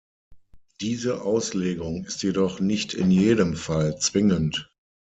Diese Auslegung ist jedoch nicht in jedem Fall zwingend.